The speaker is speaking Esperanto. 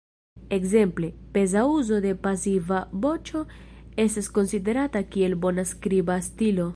Ekzemple, peza uzo de pasiva voĉo ne estas konsiderata kiel bona skriba stilo.